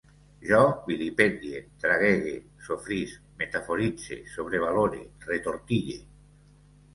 Jo vilipendie, traguege, sofrisc, metaforitze, sobrevalore, retortille